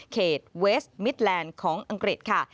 เขตเวสมิตแลนด์ของอังกฤษค่ะ